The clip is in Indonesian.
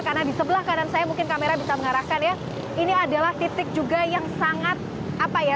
karena di sebelah kanan saya mungkin kamera bisa mengarahkan ya ini adalah titik juga yang sangat apa ya